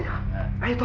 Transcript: jangan khawatir taro